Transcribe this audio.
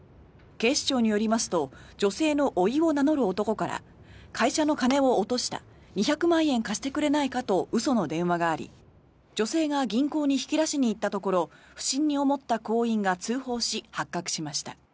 警視庁によりますと女性のおいを名乗る男から会社の金を落とした２００万円貸してくれないかと嘘の電話があり女性が銀行に引き出しに行ったところ不審に思った行員が通報し発覚しました。